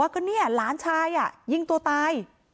นางศรีพรายดาเสียยุ๕๑ปี